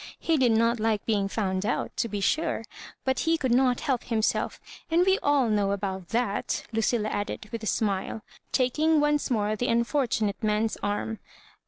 He did not like being found out, to be sure, but he could not help himself; and we all know about that," Lu cilla added, with a smile, taking once more the unfortunate man's arm.